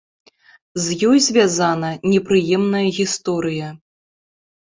З ёй звязана непрыемная гісторыя.